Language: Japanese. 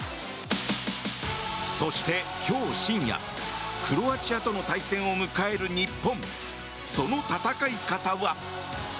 そして今日深夜クロアチアとの対戦を迎える日本。